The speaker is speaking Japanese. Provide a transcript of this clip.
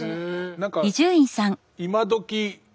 何か今どき